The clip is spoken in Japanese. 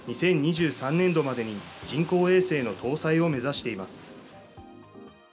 ２０２３年度までに人工衛星の搭載を目指しています。